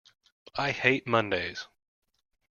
I hate Mondays!